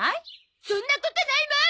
そんなことないもん！